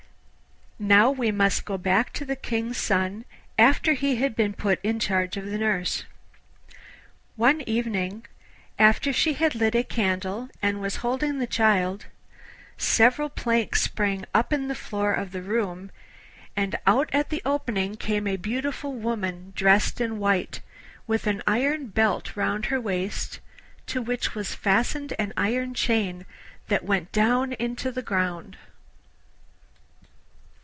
Now we must go back to the King's son after he had been put in charge of the nurse. One evening, after she had lit a candle and was holding the child, several planks sprang up in the floor of the room, and out at the opening came a beautiful woman dressed in white, with an iron belt round her waist, to which was fastened an iron chain that went down into the ground.